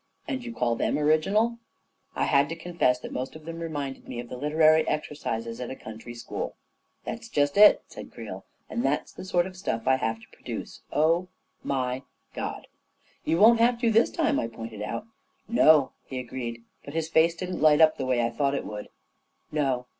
" And you call them original ?" I had to confess that most of them reminded me of the literary exercises at a country school. " That's just it," said Creel; " and that's the sort of stuff I have to produce ! Oh, my God !" II You won't have to this time," I pointed out. " No," he agreed, but his face didn't light up the way I thought it would. " No."